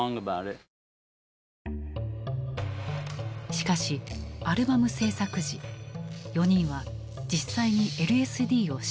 しかしアルバム制作時４人は実際にＬＳＤを使用していた。